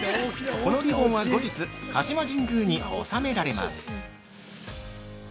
◆このリボンは後日鹿島神宮に納められます。